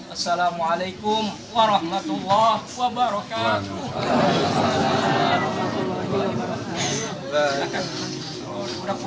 assalamu alaikum warahmatullah wabarakatuh